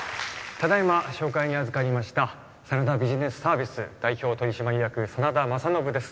ただいま紹介にあずかりました真田ビジネスサービス代表取締役真田政信です